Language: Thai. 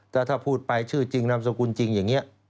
ถ้าพูดไปชื่อจริงนามสกุลจริงอย่างนี้